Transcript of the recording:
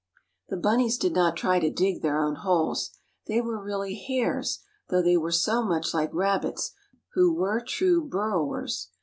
The bunnies did not try to dig their own holes. They were really hares, though they were so much like rabbits, who were true burrowers.